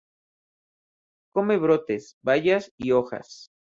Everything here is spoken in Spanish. Come brotes, bayas y hojas.